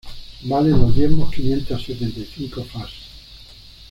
Valen los diezmos quinientas sesenta y cinco fas.